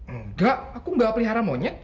enggak aku enggak pelihara monyet